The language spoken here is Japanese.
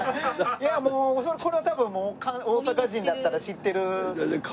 いやもうこれは多分大阪人だったら知ってる。